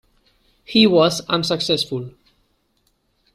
He was unsuccessful.